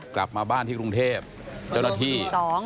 กลับมาบ้านที่กรุงเทพเจ้าหน้าที่